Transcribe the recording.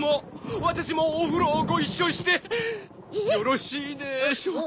私もお風呂をご一緒してよろしいでしょうか？